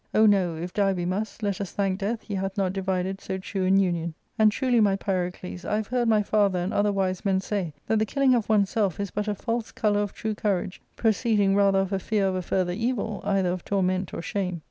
Oh no, if die we must, let us thank death he hath not divided so true an union. And truly, my Pyrocles, I have heard my father and other wise men say that the killing of one's self is but a false colour of true courage, proceeding rather of a fear of a further evil, either of torment or shame.